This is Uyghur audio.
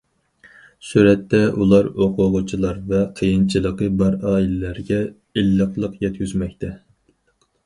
سۈرەتتە: ئۇلار ئوقۇغۇچىلار ۋە قىيىنچىلىقى بار ئائىلىلەرگە ئىللىقلىق يەتكۈزمەكتە.